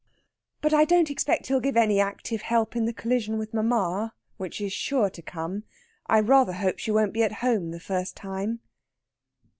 But I don't expect he'll give any active help in the collision with mamma, which is sure to come. I rather hope she won't be at home the first time."